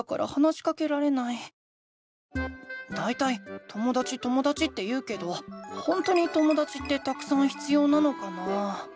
だいたいともだちともだちって言うけどほんとにともだちってたくさん必要なのかな？